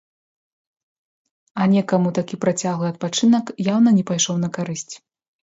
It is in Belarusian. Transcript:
А некаму такі працяглы адпачынак яўна не пайшоў на карысць.